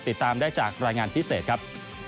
ติดตามได้จากรายงานพิเศษครับ